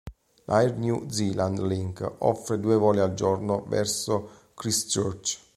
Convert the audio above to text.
La Air New Zealand Link offre due voli al giorno verso Christchurch.